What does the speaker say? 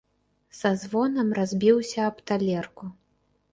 Са звонам разбіўся аб талерку.